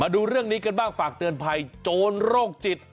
ดูเรื่องนี้กันบ้างฝากเตือนภัยโจรโรคจิต